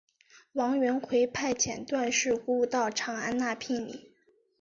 王元逵派遣段氏姑到长安纳聘礼。